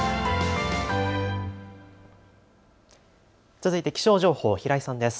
続いて気象情報、平井さんです。